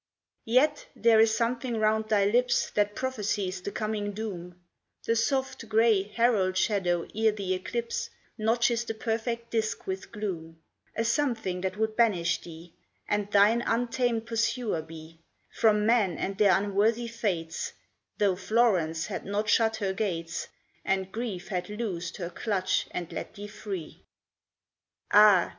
Yet there is something round thy lips That prophesies the coming doom, The soft, gray herald shadow ere the eclipse Notches the perfect disk with gloom; A something that would banish thee, And thine untamed pursuer be, From men and their unworthy fates, Though Florence had not shut her gates, And grief had loosed her clutch and let thee free. Ah!